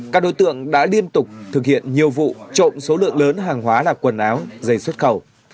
các đối tượng đã liên tục thực hiện nhiều vụ trộm số lượng lớn hàng hóa là quần áo giày xuất khẩu